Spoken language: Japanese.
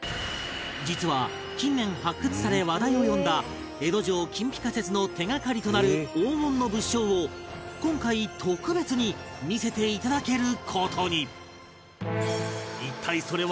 実は近年発掘され話題を呼んだ江戸城金ピカ説の手がかりとなる黄金の物証を今回特別に見せていただける事に